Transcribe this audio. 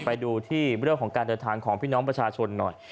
ไปดูที่เรื่องของการเดินทางของพี่น้องประชาชนหน่อย